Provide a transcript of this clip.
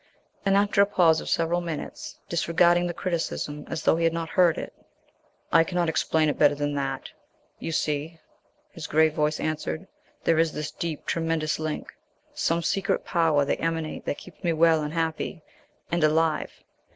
And after a pause of several minutes, disregarding the criticism as though he had not heard it "I cannot explain it better than that, you see," his grave voice answered. "There is this deep, tremendous link, some secret power they emanate that keeps me well and happy and alive.